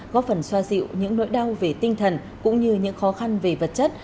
góp phần xoa dịu những nỗi đau về tinh thần cũng như những khó khăn về vật chất